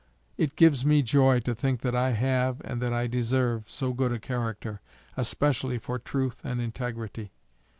I gives me joy to think that I have and that I deserve so good a character, especially for truth and _integrity.